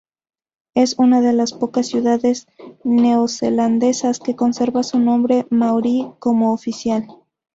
Es una de las pocas ciudades neozelandesas que conserva su nombre maorí como oficial.